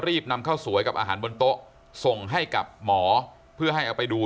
นำข้าวสวยกับอาหารบนโต๊ะส่งให้กับหมอเพื่อให้เอาไปดู